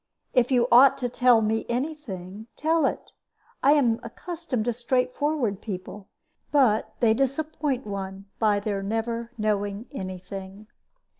If you ought to tell me any thing, tell it. I am accustomed to straightforward people. But they disappoint one by their never knowing any thing."